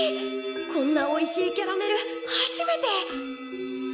こんなおいしいキャラメル初めて！